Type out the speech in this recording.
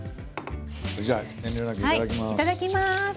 じゃあ遠慮なくいただきます。